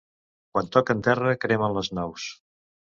Quan toquen terra, cremen les naus.